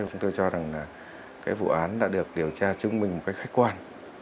chúng tôi cho rằng là cái vụ án đã được điều tra chứng minh một cách khách quan